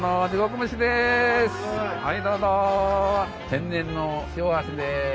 天然の塩味です。